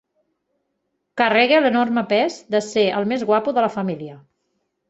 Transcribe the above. Carregue l'enorme pes de ser el més guapo de la família.